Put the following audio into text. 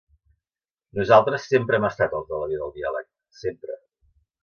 Nosaltres sempre hem estat els de la via del diàleg, sempre.